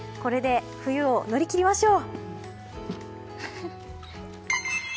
これで冬を乗り切りましょう！